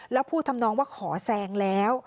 แล้วพูดทำนองว่าขอแซงแล้ว